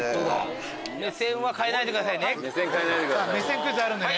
目線クイズあるんでね。